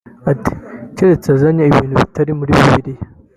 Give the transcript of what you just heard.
Ati “Keretse uzanye ibintu bitari muri bibiliya